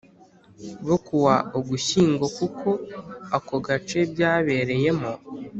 bwo ku wa Ugushyingo kuko ako gace byabereyemo